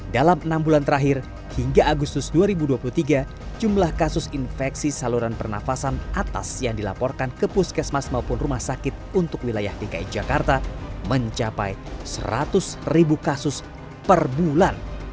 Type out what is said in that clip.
dalam enam bulan terakhir hingga agustus dua ribu dua puluh tiga jumlah kasus infeksi saluran pernafasan atas yang dilaporkan ke puskesmas maupun rumah sakit untuk wilayah dki jakarta mencapai seratus ribu kasus per bulan